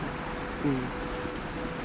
うん。